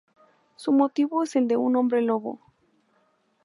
Su motivo es el de un hombre lobo.